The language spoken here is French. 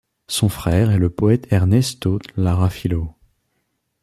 Son frère est le poète Ernesto Lara Filho.